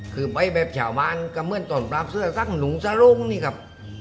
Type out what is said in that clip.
คือไปแบบชาวบ้านก็เหมือนตอนปราบเสื้อซักหนูสลงนี่ครับ